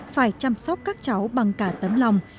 phải chăm sóc các cháu bằng cả tấm lòng